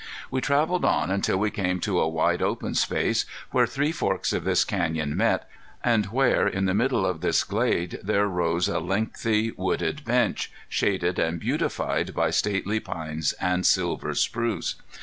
We traveled on until we came to a wide, open space, where three forks of this canyon met, and where in the middle of this glade there rose a lengthy wooded bench, shaded and beautified by stately pines and silver spruce.